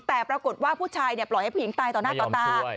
แต่ปรากฏว่าผู้ชายปล่อยให้ผู้หญิงตายต่อหน้าต่อตา